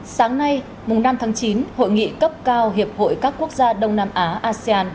sáng nay mùng năm tháng chín hội nghị cấp cao hiệp hội các quốc gia đông nam á asean